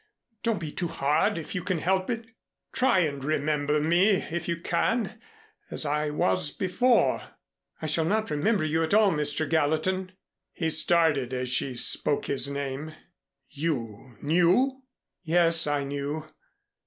Don't be too hard, if you can help it. Try and remember me, if you can, as I was before " "I shall not remember you at all, Mr. Gallatin." He started as she spoke his name. "You knew?" "Yes, I knew.